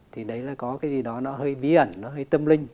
thì đấy là có cái gì đó nó hơi bí ẩn nó hơi tâm linh